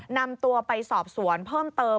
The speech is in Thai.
นำตัวไปสอบสวนเพิ่มเติม